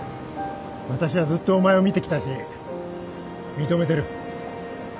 私はずっとお前を見てきたし認めてる。